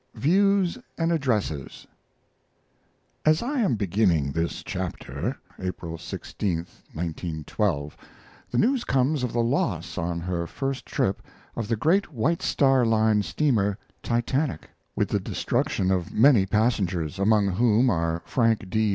VIEWS AND ADDRESSES [As I am beginning this chapter, April 16, 1912, the news comes of the loss, on her first trip, of the great White Star Line steamer Titanic, with the destruction of many passengers, among whom are Frank D.